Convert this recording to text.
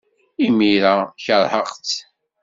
Imir-a, keṛheɣ-tt.